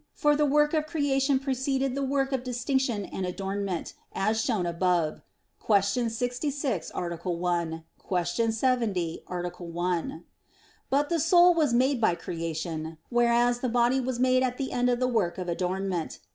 For the work of creation preceded the work of distinction and adornment, as shown above (Q. 66, A. 1; Q. 70, A. 1). But the soul was made by creation; whereas the body was made at the end of the work of adornment.